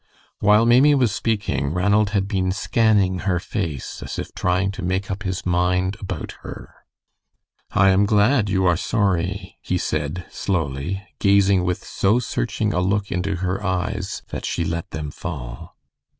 While Maimie was speaking, Ranald had been scanning her face as if trying to make up his mind about her. "I am glad you are sorry," he said, slowly, gazing with so searching a look into her eyes that she let them fall.